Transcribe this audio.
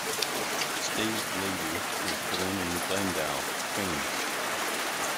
Steve Levy was born in Glendale, Queens.